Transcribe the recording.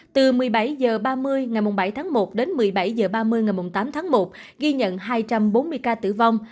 từ một mươi bảy h ba mươi ngày bảy tháng một đến một mươi bảy h ba mươi ngày tám tháng một ghi nhận hai trăm bốn mươi ca tử vong